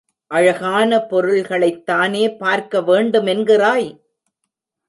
அழகான பொருள்களைத்தானே பார்க்க வேண்டுமென்கிறாய்?